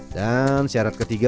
dan syarat ketiga